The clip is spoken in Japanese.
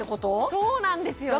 そうなんですよね